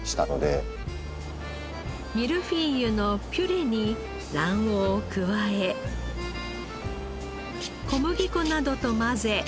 ミルフィーユのピュレに卵黄を加え小麦粉などと混ぜよくこねて延ばします。